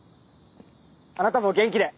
あなたも元気で。